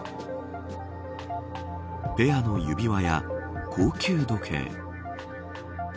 ペアの指輪や高級時計。